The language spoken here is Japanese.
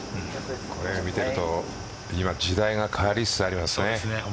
これを見ていると時代が変わりつつありますね。